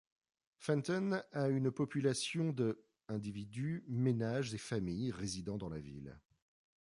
Fenton a une population de individus, ménages et familles résidant dans la ville.